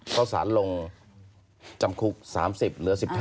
เพราะสารลงจำคุก๓๐เหลือ๑๕